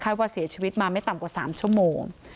ว่าเสียชีวิตมาไม่ต่ำกว่า๓ชั่วโมง